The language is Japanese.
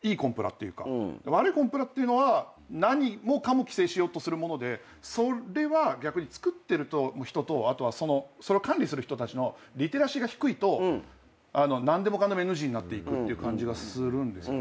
悪いコンプラっていうのは何もかも規制しようとするものでそれは逆に作ってる人とあとはそれを管理する人たちのリテラシーが低いと何でもかんでもＮＧになっていくっていう感じがする。